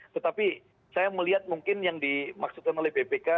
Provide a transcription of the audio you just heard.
tetapi saya melihat mungkin yang dimaksudkan oleh bpk